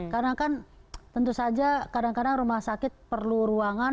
karena kan tentu saja kadang kadang rumah sakit perlu ruangan